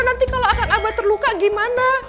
nanti kalau akan abah terluka gimana